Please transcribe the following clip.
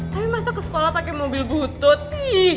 tapi masa ke sekolah pakai mobil butut